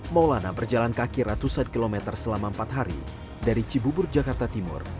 maulana berjalan kaki ratusan kilometer selama empat hari dari cibubur jakarta timur